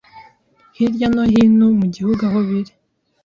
hirya no hino mu gihugu aho biri